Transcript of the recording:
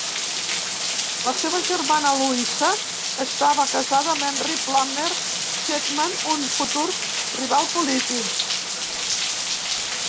La seva germana, Louisa, estava casada amb Henry Plummer Cheatham, un futur rival polític.